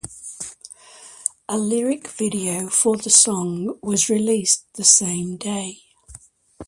A lyric video for the song was released the same day.